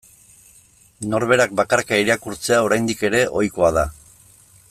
Norberak bakarka irakurtzea oraindik ere ohikoa da.